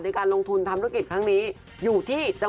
ในการลงทุนทำธุรกิจครั้งนี้